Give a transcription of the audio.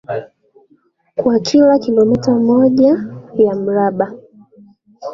kwa kila kilometa moja ya mraba